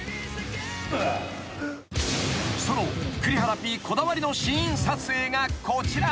［その栗原Ｐこだわりのシーン撮影がこちら］